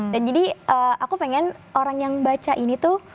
dan jadi aku pengen orang yang baca ini tuh